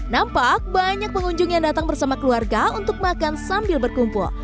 nampak banyak pengunjung yang datang bersama keluarga untuk makan sambil berkumpul